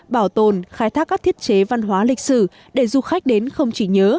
bảo tồn khai thác các thiết chế văn hóa lịch sử để du khách đến không chỉ nhớ